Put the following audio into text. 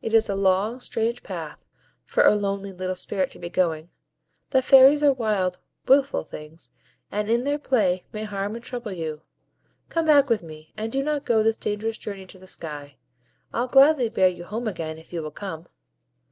It is a long, strange path, for a lonely little Spirit to be going; the Fairies are wild, wilful things, and in their play may harm and trouble you. Come back with me, and do not go this dangerous journey to the sky. I'll gladly bear you home again, if you will come."